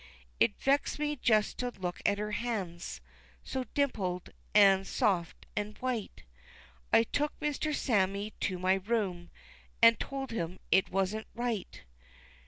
It vexed me just to look at her hands, So dimpled, an' soft, an' white I took Mr. Sammie to my room An' told him it wasn't right.